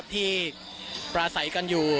ที่ปลาใสกันอยู่